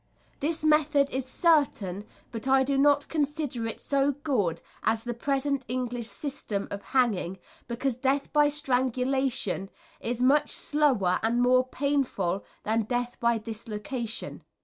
This method is certain, but I do not consider it so good as the present English system of hanging, because death by strangulation is much slower and more painful than death by dislocation.